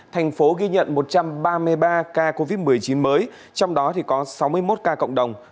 thành phố ghi nhận một trăm ba mươi ba ca covid một mươi chín mới trong đó có sáu mươi một ca cộng đồng